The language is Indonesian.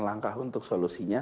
langkah untuk solusinya